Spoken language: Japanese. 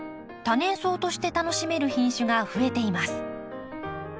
多年草として楽しめる品種が増えています。